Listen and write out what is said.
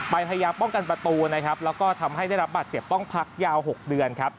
ไปพยายามป้องกันประตูและทำให้ได้รับบัตรเจ็บต้องพักยาว๖เดือน